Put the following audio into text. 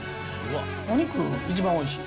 お肉一番おいしい。